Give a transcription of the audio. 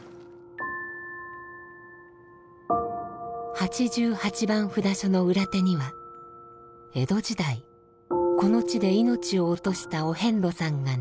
八十八番札所の裏手には江戸時代この地で命を落としたお遍路さんが眠っています。